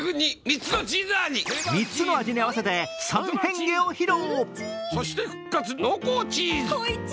３つの味に合わせて３変化を披露。